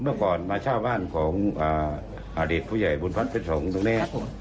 เมื่อก่อนมาเช่าบ้านของอดีตผู้ใหญ่บุญพัฒน์เป็นสองตรงนี้